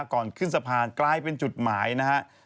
ก่อนขึ้นสะพานกลายเป็นจุดหมายนะครับ